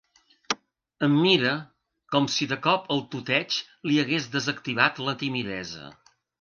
Em mira, com si de cop el tuteig li hagués desactivat la timidesa.